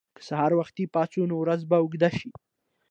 که سهار وختي پاڅو، نو ورځ به اوږده شي.